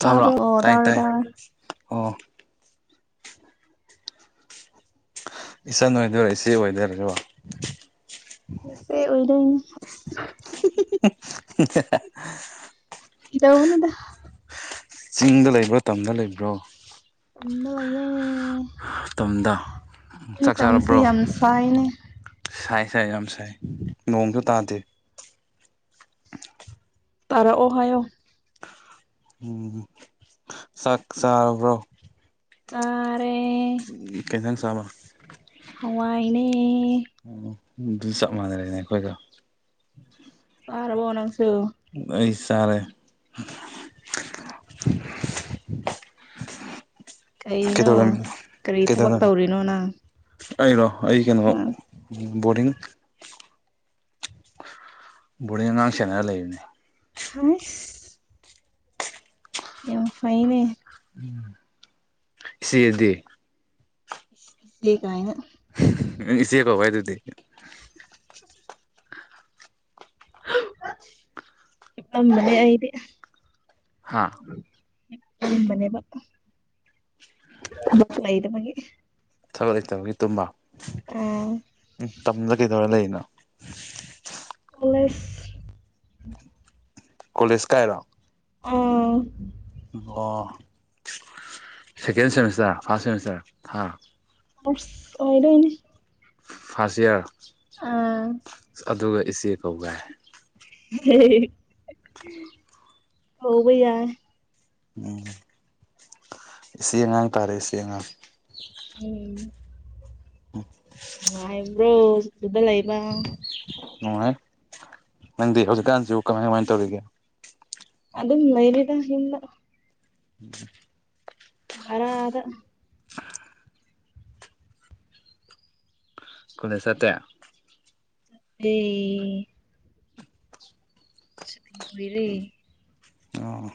ꯇꯥꯕ꯭ꯔꯣ ꯑꯣ ꯇꯥꯏ ꯇꯥꯔꯦ ꯇꯥꯏ ꯇꯥꯔꯦ ꯑꯣ ꯏꯆꯟ ꯑꯣꯏꯗꯣꯏꯔꯥ ꯏꯆꯦ ꯑꯣꯏꯗꯣꯏꯔꯁꯤꯕꯣ ꯅꯆꯦ ꯑꯣꯏꯗꯣꯏꯅꯤ [unintelligible] ꯐꯥꯒꯤꯇꯧꯕꯅꯤꯗ ꯆꯤꯡꯗ ꯂꯩꯕ꯭ꯔꯣ ꯇꯝꯗ ꯂꯩꯕ꯭ꯔꯣ ꯇꯝꯗ ꯂꯩꯏꯌꯦ ꯇꯝꯗ ꯅꯣꯏ ꯆꯥꯛ ꯇꯝꯁꯦ ꯆꯥꯔꯕ꯭ꯔꯣ ꯌꯥꯝ ꯁꯥꯏꯅꯦ ꯁꯥꯏ ꯁꯥꯏ ꯌꯥꯝ ꯁꯥꯏ ꯅꯣꯡꯁꯨ ꯇꯥꯗꯦ ꯇꯥꯔꯛꯑꯣ ꯍꯥꯏꯌꯣ ꯎꯝ ꯆꯥꯛ ꯆꯥꯔꯕ꯭ꯔꯣ ꯆꯥꯔꯦ ꯀꯩ ꯏꯟꯁꯥꯡ ꯆꯥꯕ ꯍꯋꯥꯏꯅꯦ ꯑꯣ ꯑꯗꯨꯗꯤ ꯆꯞ ꯃꯥꯟꯅꯔꯦꯅꯦ ꯑꯩꯈꯣꯏꯒ ꯆꯥꯔꯕꯣ ꯅꯪꯁꯨ ꯑꯩ ꯆꯥꯔꯦ ꯀꯩꯅꯣ ꯀꯩꯗꯧꯔꯝꯃꯤꯅꯣ ꯀꯔꯤ ꯊꯕꯛ ꯇꯧꯔꯤꯅꯣ ꯅꯪ ꯑꯩꯩꯔꯣ ꯑꯩ ꯀꯩꯅꯣ ꯑꯥ ꯕꯣꯔꯗꯤꯡ ꯕꯣꯔꯗꯤꯡ ꯑꯉꯥꯡ ꯁꯦꯟꯅꯔ ꯂꯩꯕꯅꯤ ꯍꯁ ꯌꯥꯝ ꯐꯩꯅꯦ ꯎꯝ ꯏꯆꯦꯗꯤ ꯏꯆꯦ ꯀꯥꯏꯅ ꯅꯪ ꯏꯆꯦ ꯀꯧ ꯍꯥꯏꯗꯨꯗꯤ [inaudible] [unintelligible] ꯑꯩꯗꯤ ꯍꯥꯥ ꯀꯝꯕꯅꯦꯕ ꯂꯩꯗꯕꯒꯤ ꯊꯕꯛ ꯂꯩꯇꯕꯒꯤ ꯇꯨꯝꯕ ꯑꯥ ꯎꯝ ꯇꯝꯗ ꯀꯩꯗꯧꯔ ꯂꯩꯔꯤꯅꯣ ꯀꯣꯂꯦꯖ ꯀꯣꯂꯦꯖ ꯀꯥꯏꯔꯣ ꯑꯣ ꯑꯣ ꯁꯦꯀꯦꯟ ꯁꯦꯃꯤꯁꯇꯔ ꯐꯥꯔꯁ ꯁꯦꯃꯤꯁꯇꯔ ꯍꯥꯥ ꯐꯥꯔꯁ ꯑꯣꯏꯗꯣꯏꯅꯦ ꯐꯥꯔꯁ ꯏꯌꯥꯔ ꯑꯥ ꯑꯗꯨꯒ ꯏꯆꯦ ꯀꯧꯒꯥꯏ [unintelligible] ꯍꯧꯕ ꯌꯥꯏ ꯎꯝ ꯏꯆꯦ ꯑꯉꯥꯡ ꯇꯥꯔꯦ ꯏꯆꯦ ꯑꯉꯥꯡ ꯎꯝ ꯅꯨꯡꯉꯥꯏꯕ꯭ꯔꯣ ꯑꯗꯨꯗ ꯂꯩꯕ ꯅꯨꯡꯉꯥꯏ ꯅꯪꯗꯤ ꯍꯧꯖꯤꯛꯀꯥꯟꯁꯤ ꯀꯃꯥꯏ ꯀꯃꯥꯏꯅ ꯇꯧꯔꯤꯒꯦ ꯑꯗꯨꯝ ꯂꯩꯔꯤꯗ ꯌꯨꯝꯗ [inaudible] ꯚꯔꯥꯗ ꯀꯣꯂꯦꯖ ꯆꯠꯇꯦ ꯗꯤ ꯁꯨꯇꯤ ꯑꯣꯏꯔꯦ ꯑꯣ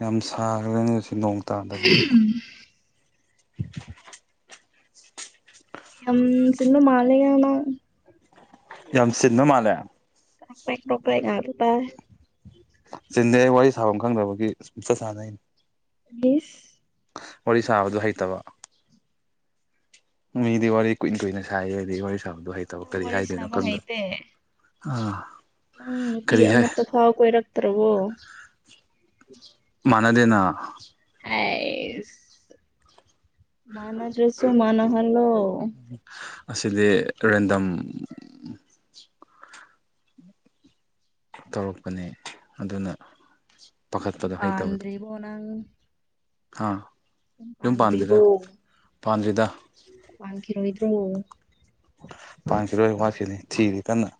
ꯌꯥꯝ ꯁꯥꯈ꯭ꯔꯦꯅꯦ ꯉꯥꯁꯤ ꯅꯣꯡ ꯇꯥꯗꯕꯒꯤ [unintelligible] [inaudible] ꯌꯥꯝ ꯆꯤꯟꯕꯥ ꯃꯥꯂꯦ [unintelligible] ꯌꯥꯝ ꯆꯤꯟꯕ ꯃꯥꯜꯂꯦ [unintelligible] ꯉꯥꯛꯇ ꯇꯥꯔꯦ ꯆꯤꯟꯗꯦ ꯋꯥꯔꯤ ꯁꯥꯐꯝ ꯈꯪꯗꯕꯒꯤ ꯁꯨꯝ ꯆꯠ ꯁꯥꯟꯅꯩꯅꯤ ꯏꯁ ꯋꯥꯔꯤ ꯁꯥꯕꯗꯣ ꯍꯩꯇꯕ ꯃꯤꯗꯤ ꯋꯥꯔꯤ ꯀꯨꯏ ꯀꯨꯏꯅ ꯁꯥꯏꯌꯦ ꯑꯩꯗꯤ ꯋꯥꯔꯤ ꯁꯥꯕꯗꯣ ꯍꯩꯏ ꯇꯧꯕ ꯅꯪ ꯀꯔꯤ ꯋꯥꯔꯤ ꯍꯥꯏꯗꯣꯏꯅꯣ ꯁꯥꯕ ꯈꯪꯗ ꯑꯥ ꯎꯪ ꯅꯨꯄꯤ ꯑꯃꯠꯇ ꯐꯥꯎ ꯀꯣꯏꯔꯛꯇ꯭ꯔꯕꯣ ꯃꯅꯗꯅ ꯑꯦꯁ ꯃꯅꯥ ꯗ꯭ꯔꯁꯨ ꯃꯅꯥ ꯍꯜꯂꯣ ꯑꯁꯤꯗꯤ ꯔꯦꯟꯗꯝ ꯇꯧꯔꯛꯄꯅꯦ ꯑꯗꯨꯅ ꯄꯥꯈꯠꯄꯗꯣ ꯄꯥꯟꯗ꯭ꯔꯤ ꯕꯣ ꯅꯪ ꯍꯥ ꯌꯨꯝ ꯄꯥꯟꯗ꯭ꯔꯤꯕꯣ ꯄꯥꯟꯗꯔꯤꯗ ꯄꯥꯟꯗꯔꯤꯗ ꯋꯥꯟꯈꯤꯔꯣꯏꯗꯔꯣ ꯄꯥꯟꯈꯤꯔꯣꯏ ꯋꯥꯠꯈꯤꯅꯤ ꯊꯤꯔ ꯀꯟꯅ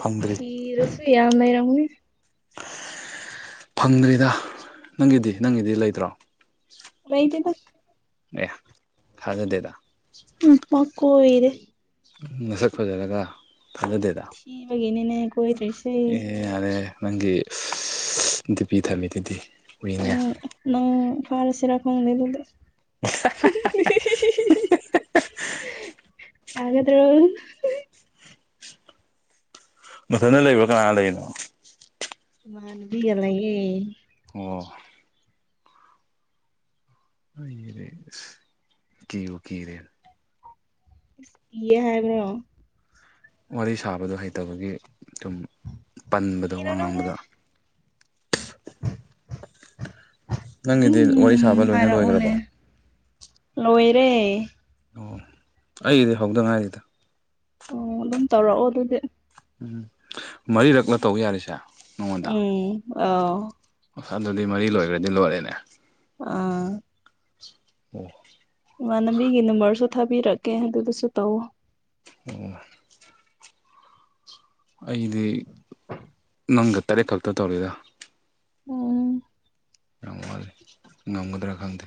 ꯐꯪꯗ꯭ꯔꯤ ꯊꯤꯔꯁꯨꯏ ꯌꯥ ꯂꯩꯔꯝꯅꯤ ꯐꯪꯗ꯭ꯔꯤꯗ ꯅꯪꯒꯤꯗꯤ ꯅꯪꯒꯤꯗꯤ ꯂꯩꯇ꯭ꯔꯣ ꯂꯩꯇꯦ ꯗ ꯑꯦ ꯊꯖꯗꯦꯗ ꯎ ꯄꯀꯣꯏꯔ ꯦ ꯅꯁꯛ ꯐꯖꯔꯒ ꯊꯥꯖꯗꯦꯗ ꯊꯤꯕꯒꯤꯅꯤꯅꯦ ꯀꯣꯏꯗꯔꯁꯦ ꯑꯦ ꯌꯥꯔꯦ ꯅꯪꯒꯤ ꯗꯤꯄꯤ ꯊꯝꯃꯤꯗꯨꯗꯤ ꯅꯪ ꯅꯪ ꯐꯥꯜ ꯁꯤꯔ ꯈꯪꯗ ꯦꯗ ꯌꯥꯒꯗ꯭ꯔꯣ ꯃꯊꯇ ꯂꯩꯕ꯭ꯔꯣ ꯀꯅꯥ ꯂꯩꯔꯤꯅꯣ ꯃꯥꯥꯟꯕꯤ ꯌꯥꯝ ꯂꯩꯌꯦ ꯑꯣ ꯍꯣꯏꯅꯤꯅꯦ ꯀꯔꯦ ꯀꯤꯌꯦ ꯍꯥꯏꯕ꯭ꯔꯣ ꯋꯥꯔꯤ ꯁꯥꯕꯗꯣ ꯍꯩꯇꯕꯒꯤ ꯁꯨꯝ ꯄꯟꯕꯗꯣ ꯋꯥ ꯀꯤꯔꯨꯅꯨꯍꯦ ꯉꯥꯡꯕꯗ ꯅꯪꯒꯤꯗꯤ ꯋꯥꯔꯤ ꯑꯗꯨꯝ ꯁꯥꯕ ꯂꯣꯏꯅ ꯍꯥꯏꯔꯛꯑꯣꯅꯦ ꯂꯣꯏꯒ꯭ꯔꯕꯣ ꯂꯣꯏꯔꯦ ꯑꯣ ꯑꯩꯒꯤꯗꯤ ꯍꯧꯗꯉꯥꯏꯔꯤ ꯑꯣ ꯑꯗꯨꯝ ꯇꯧꯔꯛꯑꯣ ꯑꯗꯨꯗꯤ ꯎꯝ ꯃꯔꯤꯔꯛꯂ ꯇꯧꯕ ꯌꯥꯔꯤꯁꯦ ꯅꯉꯣꯟꯗ ꯎꯝ ꯑ ꯑꯗꯨꯗꯤ ꯃꯔꯤ ꯂꯣꯏꯒꯔꯥꯗꯤ ꯂꯣꯏꯔꯦꯅꯦ ꯑꯥ [inaudible] ꯏꯃꯅꯕꯤꯒꯤ ꯅꯝꯕꯔꯁꯨ ꯊꯥꯕꯤꯔꯛꯀꯦ ꯑꯗꯨꯗꯨꯁꯨ ꯇꯧ [inaudible] ꯑꯩꯗꯤ ꯅꯪꯒ ꯈꯛꯇ ꯇꯧꯔꯤꯗꯣ ꯎꯝ ꯌꯥꯝ ꯋꯥꯂꯦ ꯉꯝꯒꯗ꯭ꯔꯥ ꯈꯪꯗꯦ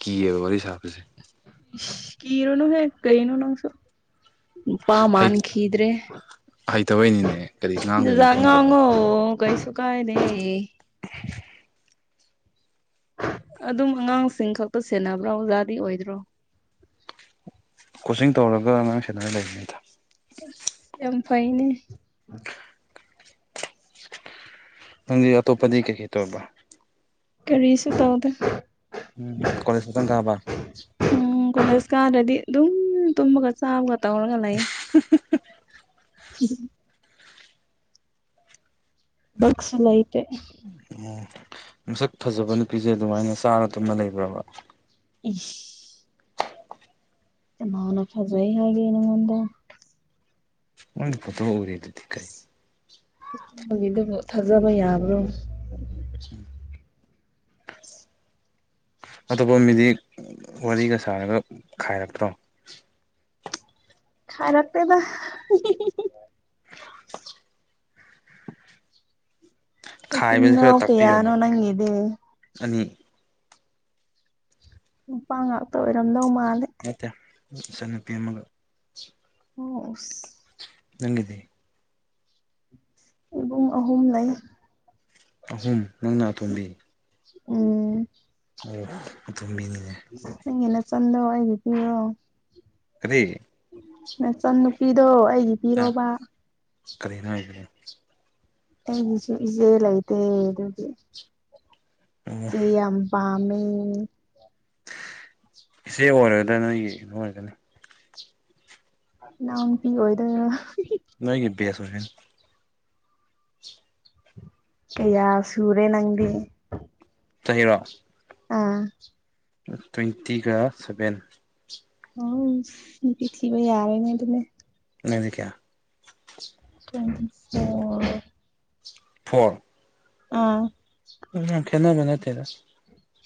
ꯀꯤꯌꯦꯕ ꯋꯥꯔꯤ ꯁꯥꯕꯁꯦ ꯀꯤꯔꯅꯨ ꯍꯦ ꯀꯩꯅꯣ ꯅꯪꯁꯨ ꯅꯨꯄꯥ ꯃꯐꯝ ꯈꯈꯤꯗ ꯔꯦ ꯍꯩꯇꯕꯩꯅꯤꯅꯦ ꯀꯔꯤ ꯉꯥꯡꯗꯣꯏꯅꯣ ꯗꯗꯥ ꯈꯪꯗꯕ ꯉꯥꯉꯣ ꯀꯩꯁꯨ ꯀꯥꯏꯗꯦ ꯑꯗꯨꯝ ꯑꯉꯥꯡꯁꯤꯡ ꯈꯛꯇ ꯁꯦꯟꯅꯕ꯭ꯔꯣ ꯑꯣꯖꯥꯗꯤ ꯑꯣꯏꯗ꯭ꯔꯣ ꯀꯣꯆꯤꯡ ꯇꯧꯔꯒ ꯑꯉꯥꯡ ꯁꯦꯟꯅꯔ ꯂꯩꯔꯤꯅꯤꯗ ꯌꯥꯝ ꯐꯩꯅꯦ ꯅꯪꯗꯤ ꯑꯇꯣꯞꯄꯗꯤ ꯀꯔꯤ ꯇꯧꯕ꯭ꯔ ꯀꯔꯤꯁꯨ ꯇꯧꯗꯦ ꯎꯝ ꯀꯂꯦꯖ ꯈꯤꯇꯛ ꯀꯥꯕ ꯎꯝ ꯀꯂ꯭ꯔꯁꯀꯥꯗꯤ ꯑꯗꯨꯝ ꯇꯨꯝꯃꯥꯒ ꯆꯥꯕꯥ ꯇꯧꯔꯒ ꯂꯩꯌꯦ ꯕꯛꯁꯨ ꯂꯩꯇꯦ ꯎꯝ ꯃꯁꯛ ꯐꯖꯕ ꯅꯨꯄꯤꯁꯦ ꯑꯗꯨꯃꯥꯏꯅ ꯆꯥꯔ ꯇꯨꯝꯃ ꯂꯩꯕ꯭ꯔꯥꯕ ꯎꯝ [unintelligible] ꯃꯥꯅ ꯐꯖꯩ ꯍꯥꯏꯒꯦ ꯅꯪꯑꯣꯟꯗ [unintelligible] ꯎꯔꯤꯗꯨꯕꯨ ꯊꯥꯖꯕ ꯌꯥꯕ꯭ꯔꯣ [inaudible] ꯑꯇꯣꯞꯄ ꯃꯤꯗꯤ ꯋꯥꯔꯤꯒ ꯁꯥꯔꯒ ꯈꯥꯏꯔꯛꯇ꯭ꯔꯣ ꯈꯥꯏꯔꯛ ꯇꯦꯗ ꯑꯣ ꯈꯥꯏꯕꯁꯦ ꯏꯅꯎ ꯀꯌꯥꯅꯣ ꯅꯪꯒꯤꯗꯨꯕꯨ ꯆꯠꯅꯤ ꯎꯄꯥꯥꯉ ꯃꯠꯇ ꯁꯟꯅꯄꯤꯃꯒ ꯑꯣ ꯅꯪꯗꯤ ꯏꯕꯨꯡ ꯑꯍꯨꯝ ꯂꯩ ꯑꯍꯨꯝ ꯅꯪꯅꯇꯣꯝꯕꯤ ꯎꯝ ꯑꯣ ꯑꯗꯨꯝ ꯃꯤꯅꯤꯉꯦ ꯅꯪꯒꯤꯅ ꯆꯟꯗ ꯍꯥꯏꯗꯤ ꯄꯤꯔꯣ ꯀꯔꯤ ꯃꯆꯟ ꯅꯨꯄꯤꯗꯣ ꯑꯩꯒꯤ ꯑ ꯄꯤꯔꯣꯕ ꯀꯔꯤꯅꯣ ꯍꯥꯏꯁꯤꯕꯣ ꯁꯨ ꯏꯖꯦꯂꯥꯏꯇꯦ ꯑꯗꯨꯗꯤ ꯑꯣ ꯁꯤ ꯌꯥꯝ ꯄꯥꯝꯃꯦ ꯏꯆꯦ ꯑꯣꯏꯔꯒꯗꯥ ꯅꯣꯏꯒꯤ ꯀꯣ ꯑꯣꯏꯔꯒꯅꯤ ꯏꯅꯥꯎ ꯅꯨꯄꯤ ꯑꯣꯏꯗꯣꯢꯕ ꯅꯣꯏꯒꯤ ꯕꯦꯁ ꯀꯌꯥ ꯁꯔꯦ ꯅꯪꯗꯤ ꯆꯔꯣ ꯑꯥ ꯇ꯭ꯋꯦꯟꯇꯤꯒ ꯁꯚꯦꯟ ꯍ ꯄꯤ ꯊꯕ ꯌꯥꯔꯦꯅꯦ ꯑꯗꯨ ꯅꯗꯤ ꯀꯌꯥ ꯇ꯭ꯋꯦꯟꯇꯤ ꯐꯣꯔ ꯐꯣꯔ ꯑꯥ ꯎꯝ ꯈꯦꯅꯦꯕꯅꯠꯇꯦꯔ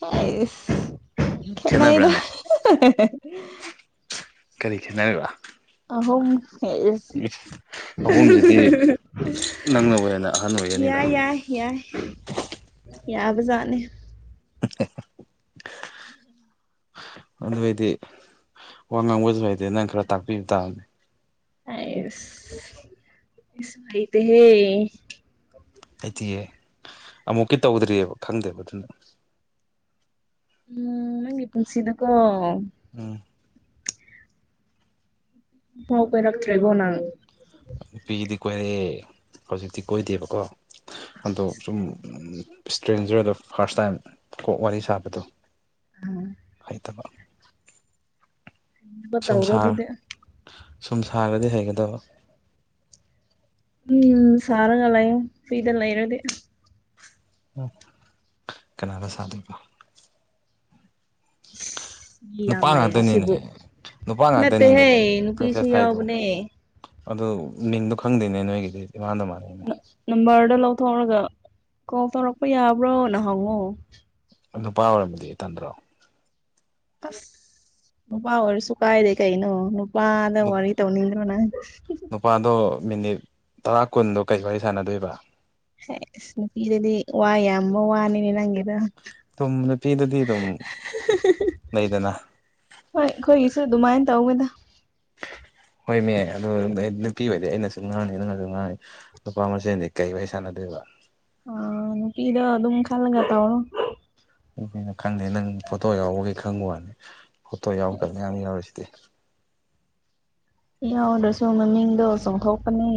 ꯍꯁꯅꯩꯗ ꯈꯦꯠꯅꯕ꯭ꯔꯥꯅꯦ ꯀꯔꯤ ꯈꯦꯠꯅꯔꯤꯕ ꯑꯍꯨꯝ [unintelligible] ꯑꯍꯨꯝꯁꯤꯗꯤ ꯅꯪꯅꯕꯨ ꯍꯦꯅ ꯑꯍꯟ ꯑꯣꯏꯒꯅꯤꯗ ꯌꯥꯏ ꯌꯥꯏ ꯌꯥꯏ ꯌꯥꯕꯖꯥꯅꯦ [unintelligible] ꯑꯗꯨꯏꯗꯤ ꯋꯥ ꯉꯥꯡꯕꯁꯨ ꯍꯥꯏꯗꯤ ꯅꯪ ꯈꯔ ꯇꯥꯛꯄꯤꯕ ꯇꯥꯕꯅꯦ ꯑꯁꯁ ꯋꯥꯔꯤꯏꯇ ꯍꯦ ꯑꯩꯗꯤꯤꯌꯦ ꯑꯃꯨꯛꯀꯤ ꯇꯧꯗ꯭ꯔꯤꯑꯕ ꯈꯪꯗꯦꯕ ꯑꯗꯨꯅ ꯎꯝ ꯅꯪꯒꯤ ꯄꯨꯟꯁꯤꯅꯀꯣ ꯎꯝ ꯍꯄꯣꯏꯔ ꯇ꯭ꯔꯦꯒꯣꯅꯪ ꯅꯨꯄꯤꯒꯤꯗꯤ ꯀꯣꯏꯔꯛꯑꯦ ꯍꯧꯖꯤꯛꯇꯤ ꯀꯣꯏꯗꯦꯕꯀꯣ ꯑꯗꯣ ꯏꯁ ꯁꯨꯝ ꯀꯔꯤꯅꯣꯕ ꯏꯁꯇ꯭ꯔꯦꯡꯖꯔꯗꯣ ꯐꯥꯔꯁ ꯇꯥꯏꯝ ꯀꯣꯛ ꯋꯥꯔꯤ ꯁꯥꯕꯗꯣ ꯍꯩꯇꯕ ꯁꯨꯝ ꯇꯧꯔꯣ ꯁꯥꯔ ꯑꯗꯨꯗꯤ ꯁꯨꯝ ꯁꯥꯔꯒꯗꯤ ꯍꯩꯒꯗꯕ ꯎꯝ ꯁꯔꯥꯒ ꯂꯩ ꯐꯤꯗ ꯂꯩꯔꯗꯤ ꯎ ꯀꯅꯥꯅ ꯁꯥꯗꯣꯏꯕꯣ [unintelligible] ꯃꯤ ꯌꯥꯝ ꯅꯨꯄꯥ ꯉꯥꯛꯇꯅꯤꯅꯦ ꯂꯩꯔꯤꯁꯤꯕꯨ ꯅꯨꯄꯥ ꯉꯥꯛꯇꯅꯤꯅꯦ ꯅꯠꯇꯦꯍꯦ ꯃꯦꯁꯦꯁ ꯅꯨꯄꯤꯁꯨ ꯊꯥꯏꯗꯣ ꯌꯥꯎꯕꯅꯦ ꯑꯗꯨ ꯃꯤꯡꯗꯣ ꯈꯪꯗꯦꯅꯦ ꯅꯣꯏꯒꯤꯗꯤ ꯏꯃꯥꯟꯗ ꯃꯥꯟꯅꯩꯅꯦ ꯅꯝꯕꯔꯗ ꯂꯧꯊꯣꯛꯑꯒ ꯀꯣꯜ ꯇꯧꯔꯛꯄ ꯌꯥꯕ꯭ꯔꯣꯅ ꯍꯪꯉꯣ ꯅꯨꯄꯥ ꯑꯣꯏꯔꯝꯝꯕꯗꯤ ꯏꯇꯟꯗ꯭ꯔꯣ ꯑꯁ ꯅꯨꯄꯥ ꯑꯣꯏꯔꯁꯨ ꯀꯥꯏꯗꯦ ꯀꯩꯅꯣ ꯋꯥꯗ ꯋꯥꯔꯤ ꯇꯧꯅꯤꯡꯗ꯭ꯔꯣꯅꯪ ꯅꯨꯄꯥꯗꯣ ꯃꯤꯅꯤꯠ ꯇꯔꯥ ꯀꯨꯟꯗꯣ ꯀꯩ ꯋꯥꯔꯤ ꯁꯥꯟꯅꯗꯣꯏꯕ ꯑꯦ ꯏꯁ ꯅꯨꯄꯤꯗꯗꯤ ꯋꯥꯏ ꯌꯥꯕ ꯋꯥꯅꯤꯅꯦ ꯅꯪꯒꯤꯗꯣ ꯑꯗꯨꯝ ꯅꯨꯄꯤꯗꯗꯤ ꯑꯗꯨꯝ ꯂꯩꯗꯅ ꯍꯣꯏ ꯑꯩꯈꯣꯏꯒꯤꯁꯨ ꯑꯗꯨꯃꯥꯏꯅ ꯇꯧꯒꯦꯗ ꯍꯣꯏꯅꯦ ꯑꯗꯨ ꯅꯨꯄꯤ ꯑꯣꯏꯗꯤ ꯑꯩꯅꯁꯨ ꯉꯥꯡꯅꯤ ꯅꯪꯅꯁꯨ ꯉꯥꯡꯅꯤ ꯅꯨꯨꯄꯥ ꯃꯁꯦꯜꯗꯤ ꯀꯩ ꯋꯥꯔꯤ ꯁꯥꯟꯅꯗꯣꯏꯕ ꯑ ꯄꯤꯗ ꯑꯗꯨꯝ ꯈꯜꯂꯒ ꯇꯧꯣ ꯑꯗꯨꯅ ꯈꯪꯗꯦ ꯅꯪ ꯐꯣꯇꯣ ꯌꯥꯎꯕꯒꯤ ꯈꯪꯕ ꯋꯥꯅꯤ ꯐꯣꯇꯣ ꯌꯥꯎꯗꯕ ꯃꯌꯥꯝ ꯌꯥꯎꯔꯤꯁꯤꯗꯤ ꯌꯥꯎꯗ꯭ꯔꯁꯨ ꯃꯃꯤꯡꯗꯣ ꯆꯣꯡꯊꯣꯛꯄꯅꯦ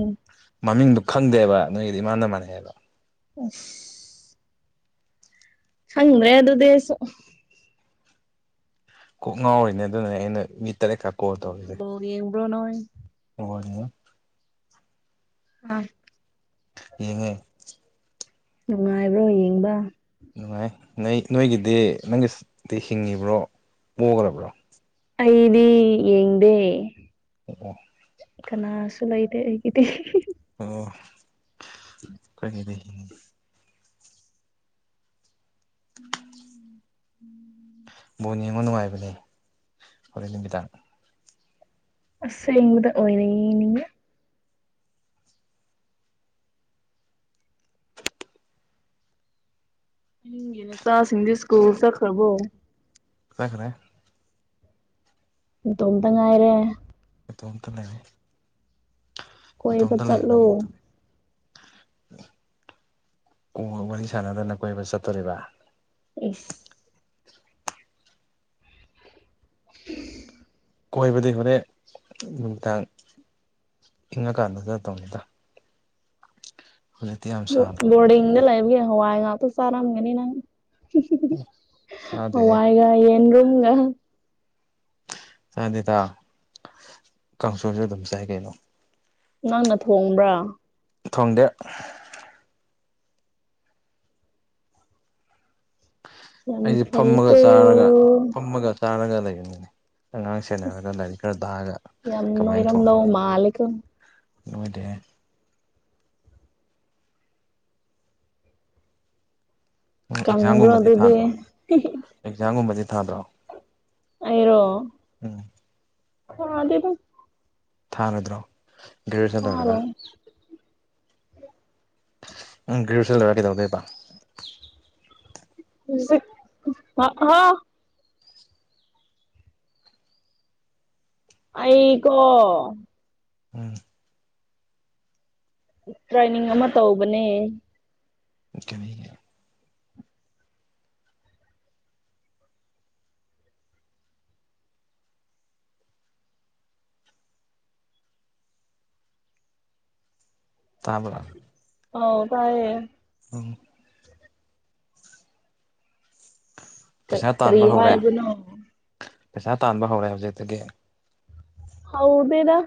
ꯃꯃꯤꯡꯗꯨꯣ ꯈꯪꯗꯦꯕ ꯅꯣꯏꯒꯤꯗꯤ ꯏꯥꯟꯅ ꯃꯥꯟꯅꯩꯑꯕ [unintelligible] ꯍꯗ꯭ꯔꯦ ꯑꯗꯨꯗꯤ ꯑꯩꯁꯨ ꯀꯣꯛ ꯉꯥꯎꯔꯤꯅꯦ ꯑꯗꯨꯅ ꯑꯩꯅ ꯃꯤꯠ ꯇꯔꯦꯠ ꯀꯥ ꯕꯣꯜ ꯌꯦꯡꯕ꯭ꯔꯣ ꯅꯣꯏ [unintelligible] ꯑ ꯍꯉꯣꯏ ꯅꯨꯡꯉꯥꯏꯕ꯭ꯔꯣ ꯌꯦꯡꯕ ꯅꯨꯡꯉꯥꯏ ꯅꯣꯏ ꯅꯣꯏꯒꯤꯗꯤ ꯅꯪꯒꯤꯗꯤ ꯍꯤꯡꯉꯤꯕ꯭ꯔꯣ ꯄꯣꯛꯈꯕ꯭ꯔꯣ ꯑꯩꯗꯤ ꯌꯦꯡꯗꯦ ꯑꯣ ꯀꯅꯥꯁꯨꯂ ꯏꯗ ꯍꯒꯗꯤ ꯑꯣ ꯀꯔꯤꯒꯤ ꯎꯝ ꯎꯝ ꯕꯣ ꯌꯦꯉꯨ ꯅꯨꯡꯉꯥꯏꯕꯅꯦ ꯍꯣꯔꯦꯟ ꯅꯨꯃꯤꯗꯥꯡ ꯑꯁ ꯏꯕꯗ ꯑꯣꯏꯅꯅꯤ ꯏꯒꯤꯅꯆꯥꯁꯤꯡꯁ ꯁ꯭ꯀꯨꯜ ꯆꯠꯈ꯭ꯔꯕꯣ ꯆꯈ꯭ꯔꯦ ꯏꯇꯣꯝ ꯇ ꯉꯥꯏꯔꯦ ꯀꯇꯣ ꯑꯝꯇ ꯂꯩꯅꯦ ꯀꯣꯏꯕ ꯆꯠꯂꯣ [unintelligible] ꯋꯥꯔꯤ ꯁꯥꯟꯅꯗꯅ ꯀꯣꯏꯕ ꯆꯠꯇꯣꯔꯤꯕ ꯏ [unintelligible] ꯀꯣꯏꯕꯗꯤ ꯍꯣꯔꯦꯟ ꯅꯨꯅꯨꯡꯗꯥꯡ ꯏꯪꯉꯀꯥꯟꯗ ꯈ ꯇꯧꯅꯤꯗ ꯍꯧꯖꯤꯛꯇꯤ ꯌꯥꯝ ꯁꯥꯗ꯭ꯔꯣ ꯕꯣꯔꯗꯤꯡꯗ ꯂꯩꯕꯒꯤ ꯍꯋꯥꯏ ꯉꯥꯛꯇ ꯆꯥꯔꯝꯒꯅꯤ ꯅꯪ ꯍ ꯆꯥꯗꯦꯍꯦ ꯋꯥꯥꯏꯒ ꯌꯦꯔꯨꯝꯒ ꯆꯗꯦꯗ ꯀꯥꯡꯁꯣꯢꯁꯨ ꯑꯗꯨꯝ ꯆꯥꯏ ꯀꯩꯅꯣ ꯅꯪꯅ ꯊꯣꯡꯕ꯭ꯔꯥ ꯊꯣꯡꯗꯦ ꯌꯥꯝ ꯑꯩꯁꯦ ꯐꯝꯃꯒ ꯐꯩꯀꯣ ꯆꯥꯔꯒ ꯐꯝꯃꯒ ꯆꯥꯔꯒ ꯂꯩꯕꯅꯤꯅꯦ ꯑꯉꯥꯡ ꯁꯦꯟꯅꯔꯒ ꯑꯁ ꯂꯥꯏꯔꯤꯛ ꯈꯔ ꯇꯥꯛꯑꯒ ꯌꯥꯝ ꯀꯃꯥꯏꯅ ꯅꯣꯏꯔꯝꯗꯧ ꯊꯣꯡꯒꯅꯤ ꯃꯥꯜꯂꯦꯀꯣ ꯅꯣꯏꯗꯦ ꯀꯪꯕ꯭ꯔꯣ ꯑꯦꯛꯖꯥꯝꯒꯨꯝꯕꯗꯤ ꯑꯗꯨꯗꯤ ꯊꯥꯗ꯭ꯔꯣ ꯑꯦꯛꯖꯥꯝꯒꯨꯝꯕꯗꯤ ꯊꯥꯗ꯭ꯔꯣ ꯎꯝ ꯈꯥꯗꯦꯕ ꯊꯥꯔꯣꯏꯗ꯭ꯔꯣ ꯒ꯭ꯔꯦꯖꯨꯋꯦꯁꯟ ꯇꯔꯒ ꯊꯥꯔꯦ ꯎꯝ ꯒ꯭ꯔꯦꯖꯨꯑꯁꯟꯂꯣꯔꯒ ꯀꯩꯗꯗꯦꯕ [unintelligible] ꯑꯩ ꯀꯣ ꯎꯝ ꯇ꯭ꯔꯦꯅꯤꯡ ꯑꯃ ꯇꯧꯕꯅꯦ ꯀꯔꯤꯒꯤ ꯇꯥꯕ꯭ꯔ ꯑ ꯇꯥꯏꯌꯦ ꯎꯝ ꯄꯩꯁꯥ ꯀꯔꯤ ꯇꯥꯟꯕ ꯍꯧꯔꯦ ꯍꯥꯏꯕꯅꯣ ꯄꯩꯁꯥ ꯇꯥꯟꯕ ꯍꯧꯔꯦ ꯍꯧꯖꯤꯛꯇꯒꯤ ꯍꯧꯗꯦꯗ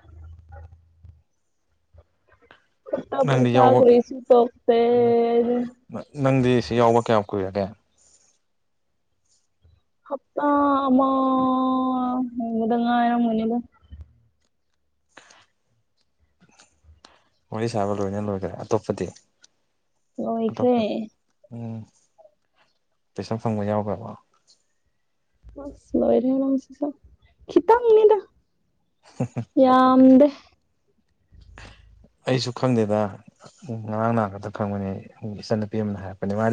ꯈꯠꯇ ꯅꯪꯗꯤ ꯄꯩꯁꯥ ꯌꯥꯎꯕ ꯀ꯭ꯔꯔꯤꯁꯤ ꯇꯇꯦ ꯎꯝ ꯅꯪꯗꯤ ꯁꯤ ꯌꯥꯎꯕ ꯀꯌꯥꯝ ꯀꯨꯏꯔꯒꯦ ꯍꯞꯇꯥ ꯑꯃ ꯒꯨꯝꯕꯗ ꯉꯥꯏꯔ ꯃꯅꯤꯗ ꯋꯥꯔꯤ ꯁꯥꯕ ꯂꯣꯏꯅ ꯂꯣꯏꯈ꯭ꯔꯦ ꯑꯇꯣꯞꯄꯗꯤ ꯂꯣꯏꯈ꯭ꯔꯦ ꯑꯇꯣꯞꯄ ꯎꯝ ꯄꯩꯁꯪ ꯐꯪꯕ ꯌꯥꯎꯒ꯭ꯔꯕꯣ ꯑꯁ ꯂꯣꯏꯔꯦꯅ ꯁꯤꯁꯨꯈꯤꯇ ꯃꯅꯤꯗ ꯍꯝ ꯍꯝ ꯌꯥꯝꯗꯦ ꯑꯩꯁꯨ ꯈꯪꯗꯦꯗ ꯉꯔꯥꯡ ꯅꯍ ꯈꯛꯇ ꯈꯪꯕꯅꯦ ꯏꯆꯟꯅꯨꯄꯤ ꯑꯃꯅ ꯍꯥꯏꯔꯛꯄꯅꯦ ꯃꯥꯗꯤ